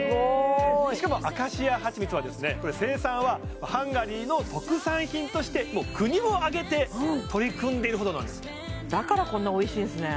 しかもアカシア蜂蜜は生産はハンガリーの特産品として国を挙げて取り組んでいるほどなんですだからこんなおいしいんですね